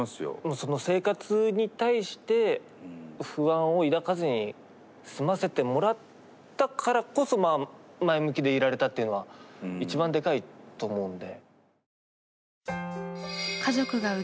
その生活に対して不安を抱かずに済ませてもらったからこそまあ前向きでいられたっていうのは一番でかいと思うんで。